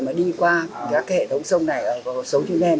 mà đi qua các cái hệ thống sông này ở số như em